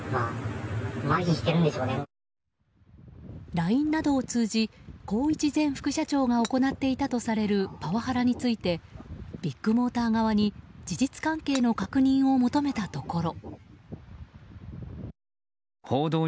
ＬＩＮＥなどを通じ宏一前副社長が行っていたとされるパワハラについてビッグモーター側に事実関係の確認を求めたところ。